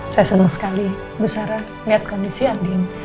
saya senang sekali bu sara lihat kondisi andi